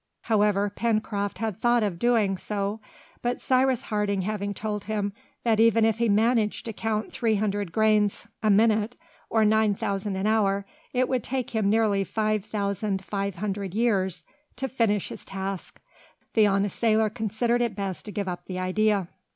However, Pencroft had thought of doing so, but Cyrus Harding having told him that even if he managed to count three hundred grains a minute, or nine thousand an hour, it would take him nearly five thousand five hundred years to finish his task, the honest sailor considered it best to give up the idea.